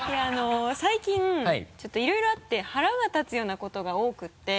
最近ちょっといろいろあって腹が立つようなことが多くって。